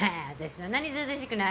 そんなにずうずうしくないわよ。